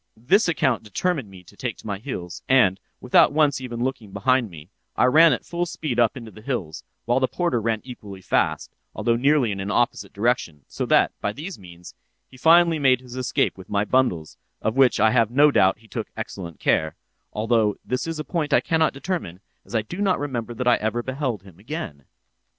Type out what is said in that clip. "This account determined me to take to my heels, and, without once even looking behind me, I ran at full speed up into the hills, while the porter ran equally fast, although nearly in an opposite direction, so that, by these means, he finally made his escape with my bundles, of which I have no doubt he took excellent care—although this is a point I cannot determine, as I do not remember that I ever beheld him again.